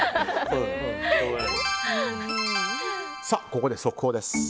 ここで速報です。